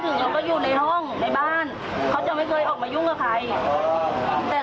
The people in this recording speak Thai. อันนี้เราไม่อยู่ไงประตูตอนถามไปเราเปิดแบบนี้